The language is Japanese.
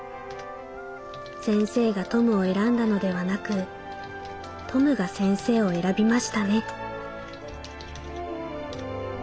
『先生がトムを選んだのではなくトムが先生を選びましたね』」。